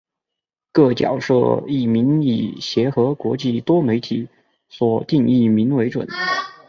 各角色译名以协和国际多媒体所定译名为准。